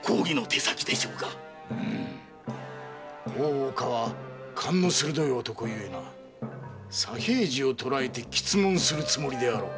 大岡は勘の鋭い男ゆえな左平次を捕らえて詰問するつもりであろう。